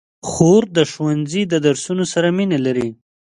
خور د ښوونځي د درسونو سره مینه لري.